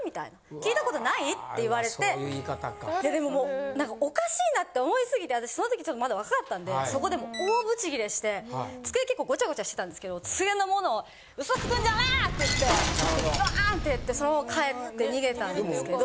「聞いたことない？」って言われていやでもおかしいなって思いすぎて私そのときちょっとまだ若かったんでそこで大ぶち切れして机結構ごちゃごちゃしてたんですけど机のものを。って言ってバーンってやってそのまま帰って逃げたんですけど。